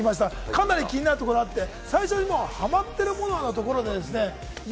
かなり気になるところがあって、最初にはまっているもののところですね。